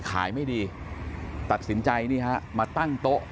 ขายไม่ดีตัดสินใจมาตั้งโต๊ะ